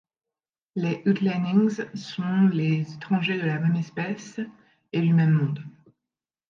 Les Utlännings sont les étrangers de la même espèce et du même monde.